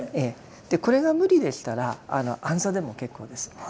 これが無理でしたら安座でも結構です。